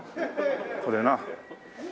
これな。